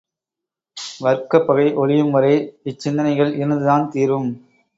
வர்க்கப் பகை ஒழியும் வரை இச்சிந்தனைகள் இருந்துதான் தீரும்.